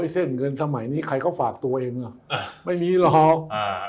เส้นเงินสมัยนี้ใครเขาฝากตัวเองไม่มีหรอก